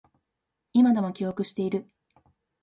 今でも記憶している